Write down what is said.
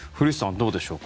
どうでしょうか？